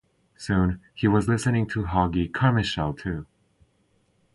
Soon, he was listening to Hoagy Carmichael, too.